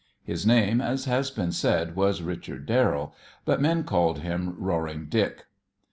His name, as has been said, was Richard Darrell; but men called him Roaring Dick.